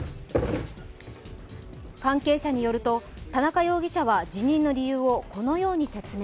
関係者によると、田中容疑者は辞任の理由をこのように説明。